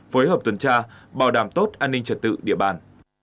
phối hợp tuần tra bảo đảm tốt an ninh trật tự địa bàn